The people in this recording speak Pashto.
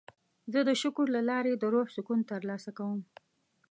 زه د شکر له لارې د روح سکون ترلاسه کوم.